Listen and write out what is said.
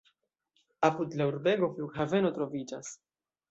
Apud la urbego flughaveno troviĝas.